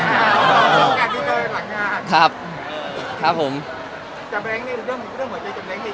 แล้วถ่ายละครมันก็๘๙เดือนอะไรอย่างนี้